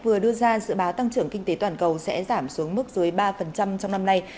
vừa đưa ra dự báo tăng trưởng kinh tế toàn cầu sẽ giảm xuống mức dưới ba trong năm nay